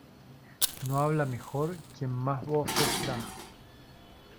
No habla mejor quien más voces da.